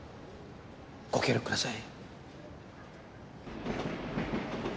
ご協力ください。